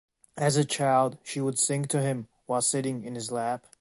As a child, she would sing to him while sitting in his lap.